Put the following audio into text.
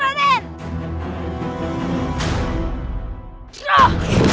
dan menangkap kake guru